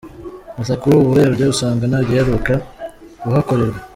Gusa kuri ubu urebye usanga ntagiheruka kuhakorerwa.